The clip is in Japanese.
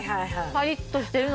パリッとしてるの。